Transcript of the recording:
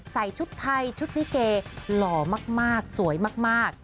ใส่ชุดไทยชุดลิเกหล่อมากสวยมาก